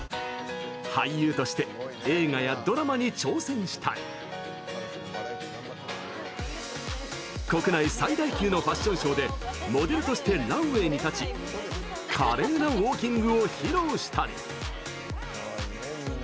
俳優として映画やドラマに挑戦したり国内最大級のファッションショーでモデルとしてランウェイに立ち華麗なウォーキングを披露したり。